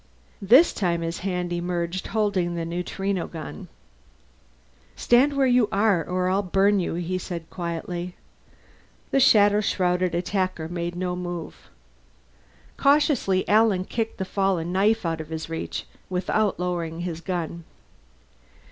This time his hand emerged holding the neutrino gun. "Stand where you are or I'll burn you," he said quietly. The shadow shrouded attacker made no move. Cautiously Alan kicked the fallen knife out of his reach without lowering his gun.